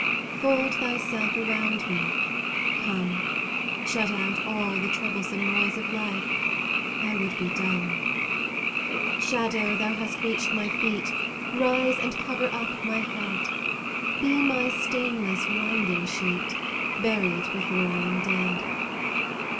Fold thyself around me; come: Shut out all the troublesome Noise of life; I would be dumb. 94 MAUDE Shadow, thou hast reached my feet, Rise and cover up my head; Be my stainless winding sheet, Buried before I am dead.